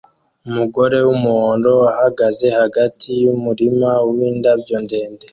Umugore wumuhondo ahagaze hagati yumurima windabyo ndende